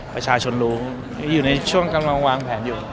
ประชาชนรู้อยู่ในช่วงกำลังวางแผนอยู่